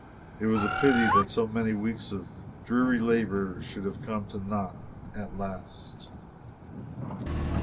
It was a pity that so many weeks of dreary labor should have come to naught at last.